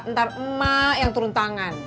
ntar emak yang turun tangan